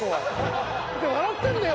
笑ったんだよ